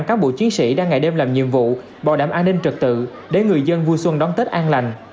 các bộ chiến sĩ đang ngày đêm làm nhiệm vụ bảo đảm an ninh trật tự để người dân vui xuân đón tết an lành